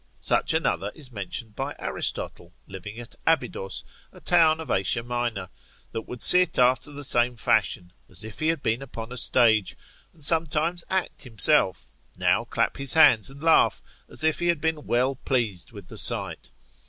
Such another is mentioned by Aristotle, living at Abydos, a town of Asia Minor, that would sit after the same fashion, as if he had been upon a stage, and sometimes act himself; now clap his hands, and laugh, as if he had been well pleased with the sight.